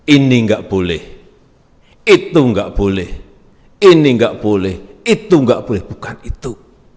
ini enggak boleh itu enggak boleh ini enggak boleh itu enggak boleh bukan itu